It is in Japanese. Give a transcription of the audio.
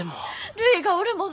るいがおるもの。